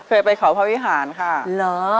เคยไปเขาพระวิหารค่ะ